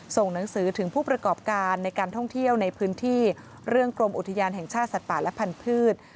ส่งหนังสือถึงผู้ประกอบการในการท่องเที่ยวในพื้นที่เรื่องกรมอุทยานแห่งชาติสัตว์ป่าและพันธุ์